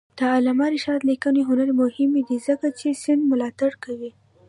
د علامه رشاد لیکنی هنر مهم دی ځکه چې سند ملاتړ کوي.